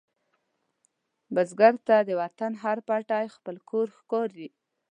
بزګر ته د وطن هر پټی خپل کور ښکاري